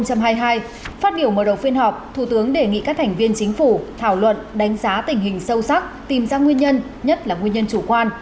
phát biểu mở đầu phiên họp thủ tướng đề nghị các thành viên chính phủ thảo luận đánh giá tình hình sâu sắc tìm ra nguyên nhân nhất là nguyên nhân chủ quan